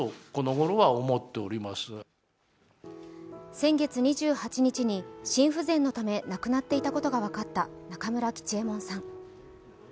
先月２８日に心不全のため亡くなっていたことが分かった中村吉右衛門さん。